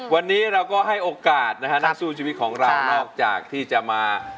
วันนี้เราก็ให้โอกาสนะฮะนักสู้ชีวิตของเรานอกจากที่จะมา